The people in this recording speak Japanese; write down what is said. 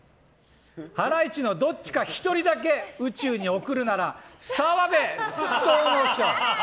ハライチのどっちか一人だけ宇宙に送るなら澤部、と思う人。